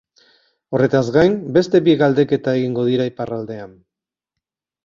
Horretaz gain, beste bi galdeketa egingo dira iparraldean.